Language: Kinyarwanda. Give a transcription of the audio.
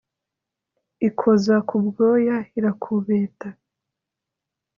Ikoza ku bwoya irakubeta,